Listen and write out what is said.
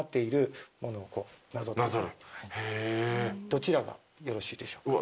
どちらがよろしいですか？